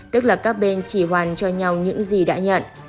tức là các bên chỉ hoàn cho nhau những gì đã nhận